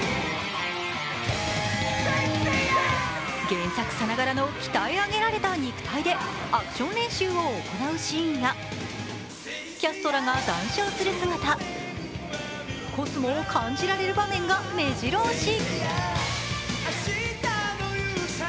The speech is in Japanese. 原作さながらの鍛え上げられた肉体でアクション練習を行うシーンやキャストらが談笑する姿、コスモを感じられる場面がめじろ押し。